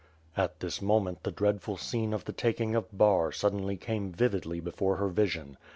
'' At this moment, the dreadful scene of the taking of Bar suddenly came vividly before her vision.